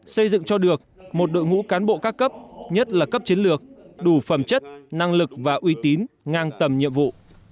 xây dựng cho được một đội ngũ cán bộ các cấp nhất là cấp chiến lược đủ phẩm chất năng lực và uy tín ngang tầm nhiệm vụ